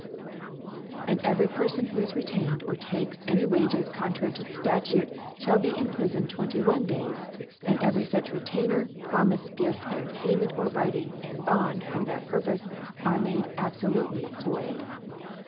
i8, ^ And (Si) * And every Pcrfon who is retained, or * takes any Wages contrary to the Statute^ * Ih^ll be imprifoned 2 1 Days •: And every * fach Retainer, Promife, Gift and Payment, * or Writing and Bond for that Purpofe, are J made abfolutely void.